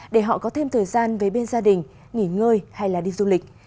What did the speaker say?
để họ có thêm thời gian với bên gia đình nghỉ ngơi hay đi du lịch